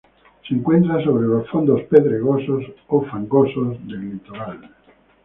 Se encuentra sobre los fondos pedregosos o fangosos del litoral.